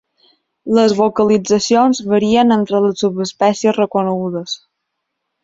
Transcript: Les vocalitzacions varien entre les subespècies reconegudes.